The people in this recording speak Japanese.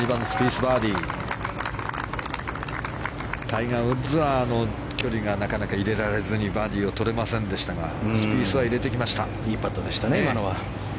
タイガー・ウッズはあの距離がなかなか入れられずにバーディーをとれませんでしたがスピースは入れてきました。